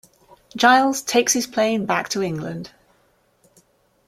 Giles takes his plane back to England.